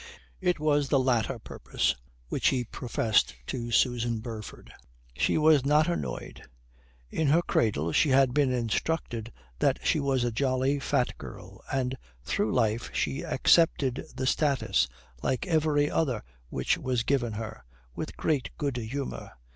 It was the latter purpose which he professed to Susan Burford. She was not annoyed. In her cradle she had been instructed that she was a jolly, fat girl, and through life she accepted the status, like every other which was given her, with great good humour.